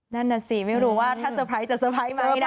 นั่นน่ะสิไม่รู้ว่าถ้าเตอร์ไพรส์จะเตอร์ไพรส์ไหมนะ